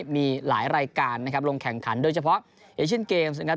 มีหลายรายการนะครับลงแข่งขันโดยเฉพาะเอเชียนเกมส์นะครับ